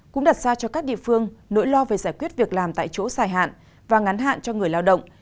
cũng đặt ra cho các địa phương nỗi lo về giải quyết việc làm tại chỗ dài hạn và ngắn hạn cho người lao động